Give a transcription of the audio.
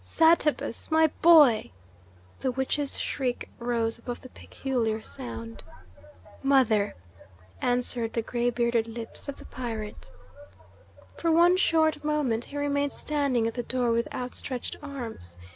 "Satabus! My boy!" the witch's shriek rose above the peculiar sound. "Mother!" answered the gray bearded lips of the pirate. For one short moment he remained standing at the door with outstretched arms.